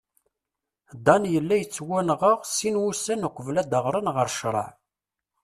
Dan yella yettwanɣa sin wussan uqbel ad d-aɣren ɣer ccreɛ.